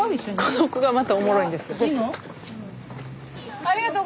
この子がまたおもろいんですよ。